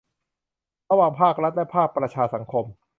ระหว่างภาครัฐและภาคประชาสังคม